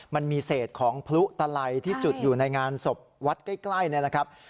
มันมีเศษของพลุตลัยที่จุดอยู่ในงานศพวัดใกล้เนี่ยนะครับ